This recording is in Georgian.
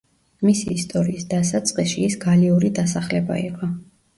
მისი ისტორიის დასაწყისში, ის გალიური დასახლება იყო.